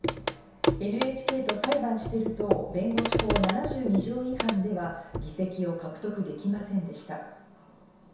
「ＮＨＫと裁判してる党弁護士法７２条違反で」は議席を獲得できませんでした。